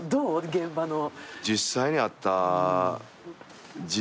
現場の。